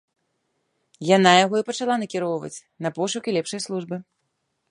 Яна яго і пачала накіроўваць на пошукі лепшай службы.